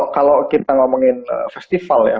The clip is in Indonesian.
sebenarnya kalo kita ngomongin festival ya